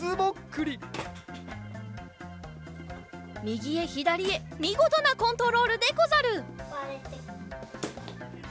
みぎへひだりへみごとなコントロールでござる！